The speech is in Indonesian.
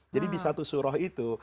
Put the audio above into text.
jadi di satu surah itu